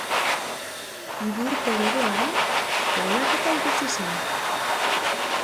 Hiru urte geroago aldaketa iritsi zen.